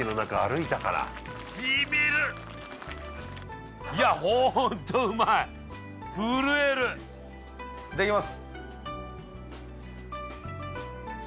いただきます